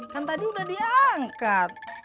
kan tadi udah diangkat